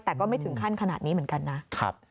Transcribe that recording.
แต่ก็ไม่ถึงขั้นขนาดนี้เหมือนกันนะ